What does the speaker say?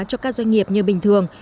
cho các doanh nghiệp như bình thường